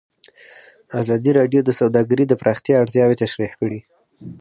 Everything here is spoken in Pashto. ازادي راډیو د سوداګري د پراختیا اړتیاوې تشریح کړي.